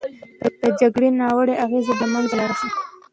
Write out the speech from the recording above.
د جګړې ناوړه اغېزې باید له منځه لاړې شي.